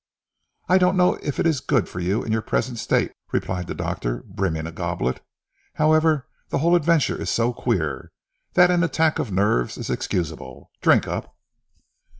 "I don't know if it is good for you in your present state," replied the doctor brimming a goblet, "however the whole adventure is so queer, that an attack of nerves is excusable. Drink up."